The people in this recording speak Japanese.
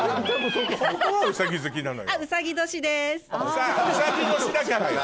ホントはうさぎ好きなのよ。